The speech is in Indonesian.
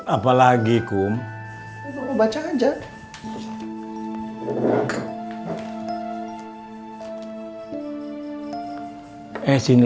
apa lagi sih